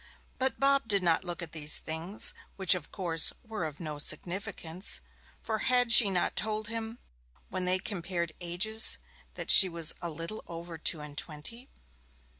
But Bob did not look at these things, which, of course, were of no significance; for had she not told him, when they compared ages, that she was a little over two and twenty?